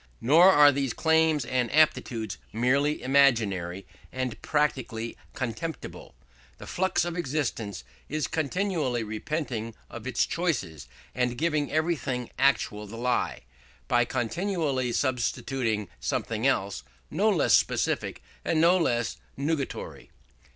Nor are these claims and aptitudes merely imaginary and practically contemptible. The flux of existence is continually repenting of its choices, and giving everything actual the lie, by continually substituting something else, no less specific and no less nugatory.